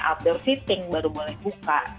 outdoor fitting baru boleh buka